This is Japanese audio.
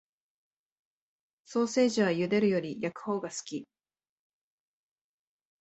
ソーセージは茹でるより焼くほうが好き